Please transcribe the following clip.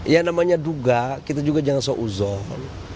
ya namanya duga kita juga jangan seuzon